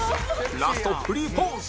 ラストフリーポーズ